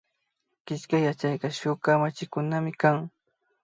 Killkay yachayka shuk kamachikunamikan